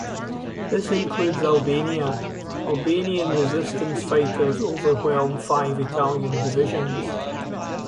This includes Albania; Albanian resistance fighters overwhelm five Italian divisions.